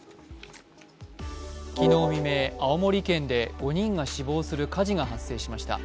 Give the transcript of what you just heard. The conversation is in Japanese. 昨日未明、青森県で５人が死亡する火事が発生しました。